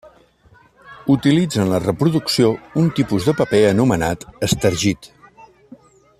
Utilitza en la reproducció un tipus de paper anomenat estergit.